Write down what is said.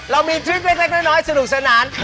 เรามีทริปเล็กน้อยสนุกสนาน